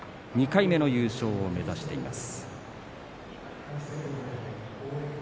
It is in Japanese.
２回目の優勝を目指しています。